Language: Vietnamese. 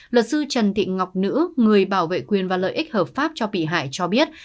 luật sư trần thị ngọc nữ người bảo vệ quyền và lợi ích hợp pháp cho bị hại cho biết